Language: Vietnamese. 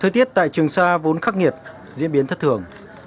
thời tiết tại trường sa vốn khắc nghiệt diễn biến thất thường